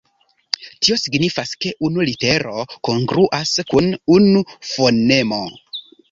Tio signifas ke unu litero kongruas kun unu fonemo.